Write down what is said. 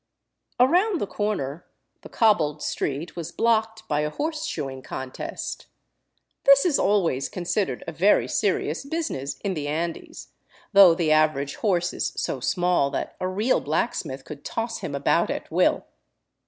Around the corner the cobbled street was blocked by a horse shoeing contest. This is always considered a very serious business in the Andes, though the average horse is so small that a real black smith could toss him about at will.